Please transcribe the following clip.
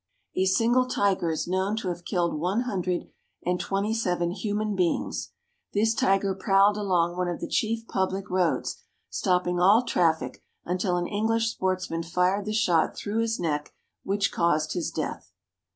A single tiger. is known to have killed one hundred and twenty seven human beings. This tiger prowled along one of the chief public roads, stopping all traffic until an English sportsman fired the shot through his neck which caused his death.